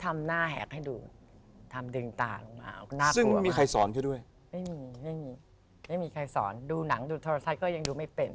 ไม่มีใครสอนดูหนังดูโทรไทเคิลยังดูไม่เป็น